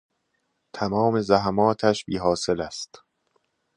تمام زحماتش بی حاصل است